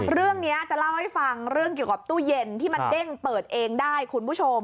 เรื่องนี้จะเล่าให้ฟังเรื่องเกี่ยวกับตู้เย็นที่มันเด้งเปิดเองได้คุณผู้ชม